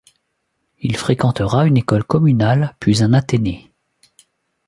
Il fréquentera une école communale puis un athénée.